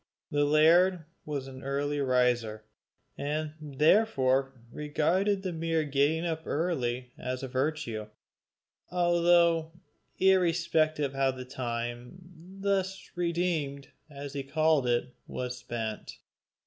The laird was an early riser, and therefore regarded the mere getting up early as a virtue, altogether irrespective of how the time, thus redeemed, as he called it, was spent.